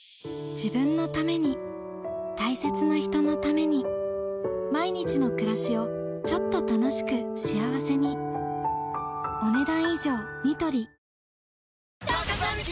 自分のために大切な人のために毎日の暮らしをちょっと楽しく幸せに・チャー活アニキ！